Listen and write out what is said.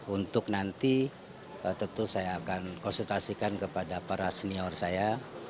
untuk nanti tentu saya akan konsultasikan kepada para senior saya